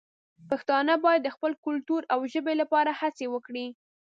پښتانه باید د خپل کلتور او ژبې لپاره هڅې وکړي.